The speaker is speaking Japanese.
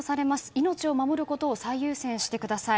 命を守ることを最優先してください。